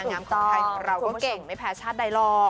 น้องยามของเราแก่งไม่แพ้ชาติใดหลอก